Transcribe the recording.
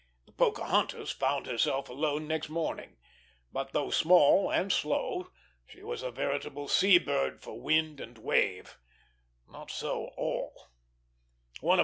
The Pocahontas found herself alone next morning; but, though small and slow, she was a veritable sea bird for wind and wave. Not so all.